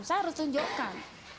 saya harus tunjukkan